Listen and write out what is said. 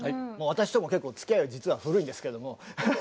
もう私とも結構つきあいは実は古いんですけども。